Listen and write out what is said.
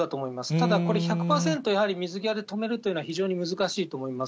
ただ、これ１００％、やはり水際で止めるというのは、非常に難しいと思います。